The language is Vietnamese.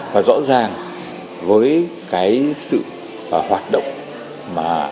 và rõ ràng với cái sự hoạt động mà